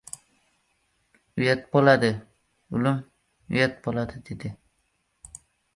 — Uyat bo‘ladi, ulim, uyat bo‘ladi! — dedi.